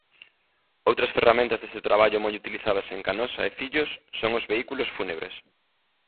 Outras ferramentas deste traballo moi utilizadas en Canosa e Fillos son os vehículos fúnebres.